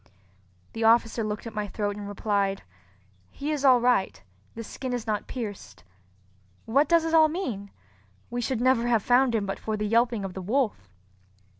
The officer looked at my throat and replied, "He is all right, the skin is not pierced. What does it all mean? We should never have found him but for the yelping of the wolf."